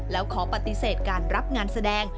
แล้วขอปฏิเสธการรับงานแสดง